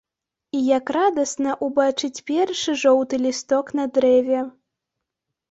І як радасна ўбачыць першы жоўты лісток на дрэве.